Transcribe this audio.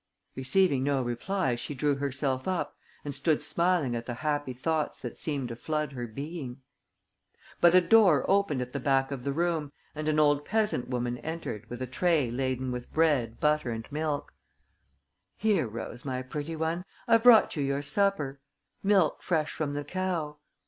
Receiving no reply, she drew herself up and stood smiling at the happy thoughts that seemed to flood her being. But a door opened at the back of the room and an old peasant woman entered with a tray laden with bread, butter and milk: "Here, Rose, my pretty one, I've brought you your supper. Milk fresh from the cow...."